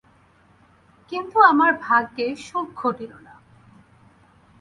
কিন্তু আমার ভাগ্যে সুখ ঘটিল না।